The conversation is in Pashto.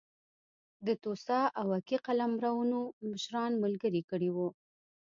د توسا او اکي قلمرونو مشران ملګري کړي وو.